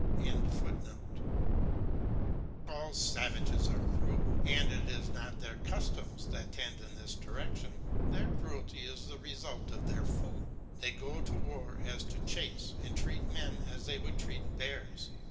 ] All savages are cruel, and it is not their customs that tend in this direction; their cruelty is the result of their food. They go to war as to the chase, and treat men as they would treat bears.